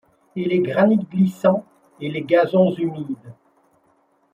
Et les granits glissants, et les gazons humides